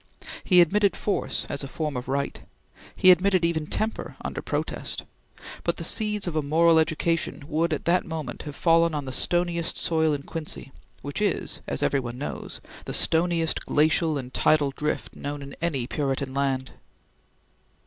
He admitted force as a form of right; he admitted even temper, under protest; but the seeds of a moral education would at that moment have fallen on the stoniest soil in Quincy, which is, as every one knows, the stoniest glacial and tidal drift known in any Puritan land.